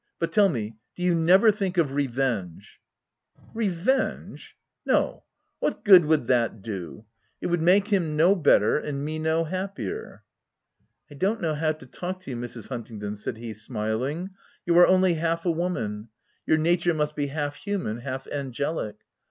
But tell me, do you never think of revenge ?"" Revenge ! No — what good would that do — it would make him no better, and me no happier ?"" I don't know how to talk to you, Mrs. Huntington," said he smiling; "you are only half a woman — your nature must be half hu man, half angelic.